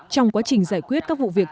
trong quá trình giải quyết các vụ việc